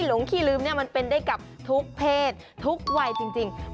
ลองไปดูกระจกก่อนดูที่กระจกสิแมทอยู่ไหนนะ